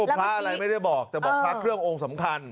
พระอะไรไม่ได้บอกแต่บอกพระเครื่ององค์สำคัญ